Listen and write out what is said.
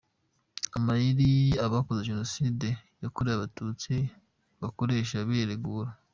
Amayeri abakoze Jenoside yakorewe Abatutsi bakoresha biregura.